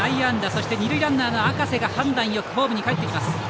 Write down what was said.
そして、二塁ランナーの赤瀬が判断よくホームにかえってきます。